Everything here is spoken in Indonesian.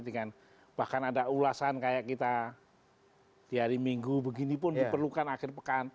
dengan bahkan ada ulasan kayak kita di hari minggu begini pun diperlukan akhir pekan